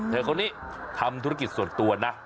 คนนี้ทำธุรกิจส่วนตัวนะ